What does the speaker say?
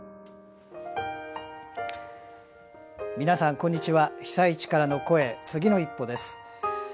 皆さんこんにちは「被災地からの声つぎの一歩」です。